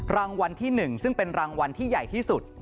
รางวัลที่๑ซึ่งเป็นรางวัลที่ใหญ่ที่สุด